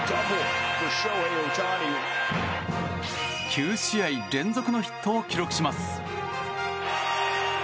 ９試合連続のヒットを記録します。